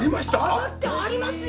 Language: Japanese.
飾ってありますよ。